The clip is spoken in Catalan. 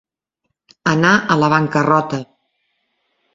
Anar a la bancarrota.